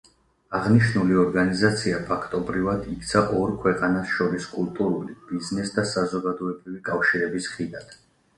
აღნიშნული ორგანიზაცია ფაქტობრივად, იქცა ორ ქვეყანას შორის კულტურული, ბიზნეს და საზოგადოებრივი კავშირების ხიდად.